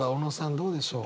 どうでしょう？